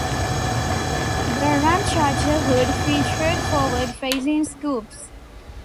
The "Ramcharger" hood featured forward-facing scoops.